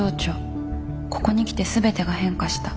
ここに来て全てが変化した。